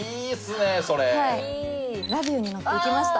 ラビューに乗って行きました。